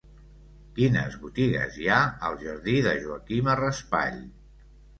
Quines botigues hi ha al jardí de Joaquima Raspall?